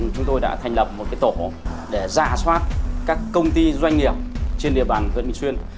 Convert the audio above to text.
chúng tôi đã thành lập một tổ để giả soát các công ty doanh nghiệp trên địa bàn huyện bình xuyên